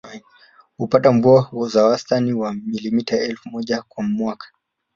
Hupata mvua za wastani wa milimita elfu moja kwa mwaka